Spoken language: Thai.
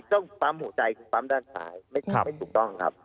ต้องปั๊มหัวใจคือปั๊มด้านซ้ายไม่ถูกต้องครับ